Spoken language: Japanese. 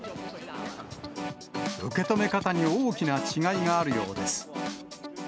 受け止め方に大きな違いがあるようです。